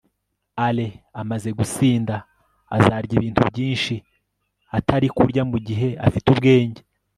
alain amaze gusinda, azarya ibintu byinshi atari kurya mugihe afite ubwenge